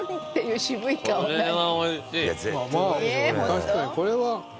確かにこれは。